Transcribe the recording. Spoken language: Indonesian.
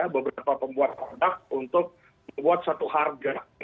beberapa pembuat produk untuk membuat satu harga